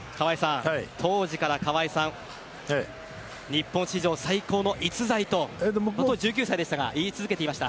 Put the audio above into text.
当時から、川合さん日本史上最高の逸材と１９歳でしたが言い続けていました。